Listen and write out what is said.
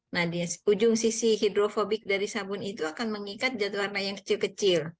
nah di ujung sisi hidrofobik dari sabun itu akan mengikat jatuh warna yang kecil kecil